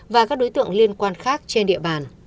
và các đối tượng liên quan khác trên địa bàn